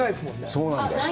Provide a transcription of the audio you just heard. そうなんだよ。